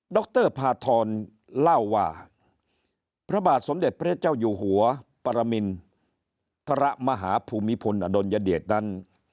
รพาทรเล่าว่าพระบาทสมเด็จพระเจ้าอยู่หัวปรมินทรมาหาภูมิพลอดุลยเดชนั้น